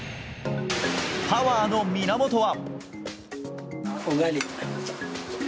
パワーの源は。